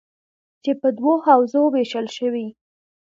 چې په دوو حوزو ویشل شوي: